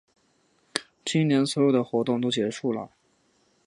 今年所有的活动都结束啦